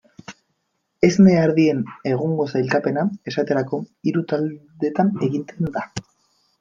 Esne ardien egungo sailkapena, esaterako, hiru taldetan egiten da.